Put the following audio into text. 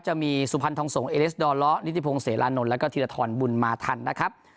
จะมีสุพรรณทองสงศเอสดอล้อนิติพงศิลานนท์แล้วก็ธีรทรบุญมาทันนะครับ